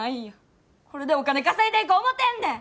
これでお金稼いでいこう思てんねん！